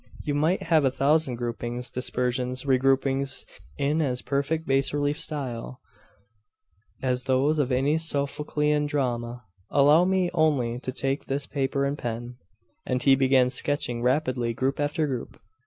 You might have a thousand groupings, dispersions, regroupings, in as perfect bas relief style as those of any Sophoclean drama. Allow me only to take this paper and pen ' And he began sketching rapidly group after group.